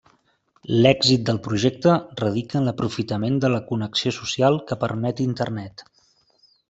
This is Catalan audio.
L'èxit del projecte radica en l'aprofitament de la connexió social que permet Internet.